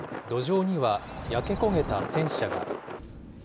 路上には焼け焦げた戦車が。